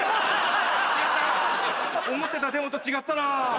思ってたデモと違ったなぁ。